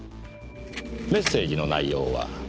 メッセージの内容は。